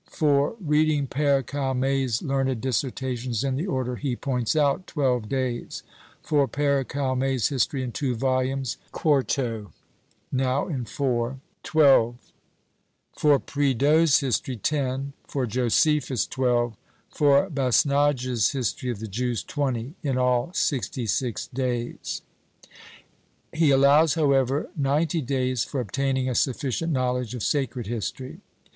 For reading PÃẀre Calmet's learned dissertations in the} order he points out } 12 days For PÃẀre Calmet's History, in 2 vols. 4to (now in 4) 12 For Prideaux's History 10 For Josephus 12 For Basnage's History of the Jews 20 In all 66 days. He allows, however, ninety days for obtaining a sufficient knowledge of Sacred History.